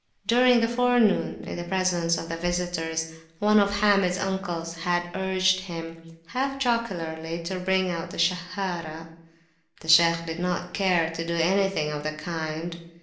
During the forenoon, in the presence of the visitors, one of Hamid's uncles had urged him, half jocularly, to bring out the Sahharah. The Shaykh did not care to do anything of the kind.